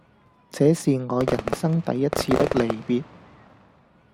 這是我人生第一次的離別